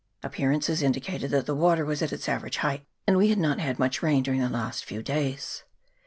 Appear ances indicated that the water was at its average height, and we had not had much rain during the last few days.